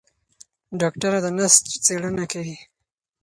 ډاکټره د نسج څېړنه کوي.